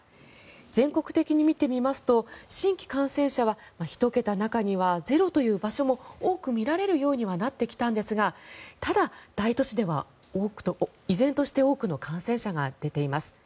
全国的に見てみますと新規感染者は１桁中にはゼロという場所も多く見られるようになってきたんですがただ、大都市では依然として多くの感染者が出ています。